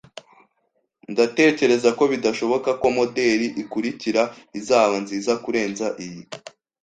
Ndatekereza ko bidashoboka ko moderi ikurikira izaba nziza kurenza iyi